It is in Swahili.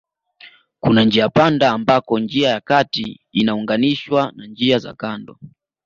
Kuna njiapanda ambako njia ya kati inaunganishwa na njia za kando